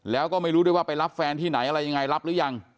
แล้วก็ไม่รู้ด้วยว่าไปรับแฟนที่ไหนอะไรยังไงรับหรือยัง